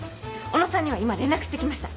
小野さんには今連絡して来ました。